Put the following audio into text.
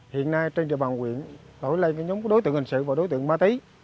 hiện nay trên trường bằng huyện nổi lên nhóm đối tượng hình sự và đối tượng ma tí